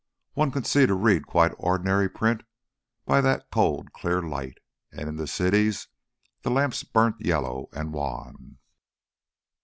One could see to read quite ordinary print by that cold clear light, and in the cities the lamps burnt yellow and wan.